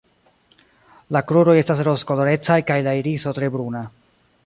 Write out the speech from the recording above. La kruroj estas rozkolorecaj kaj la iriso tre bruna.